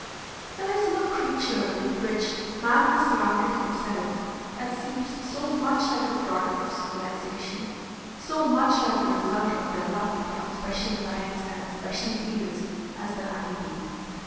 There is no creature with which man has surrounded himself that seems so much like a product of civilization, so much like the result of development on special lines and in special fields, as the honey bee.